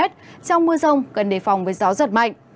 trong mưa rông cần đề phòng với gió giật mạnh